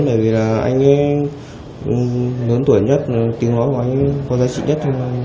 tại vì là anh ấy lớn tuổi nhất